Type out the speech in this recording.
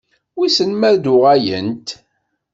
Wissen ma ad-uɣalent?